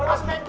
eh gue ketiknya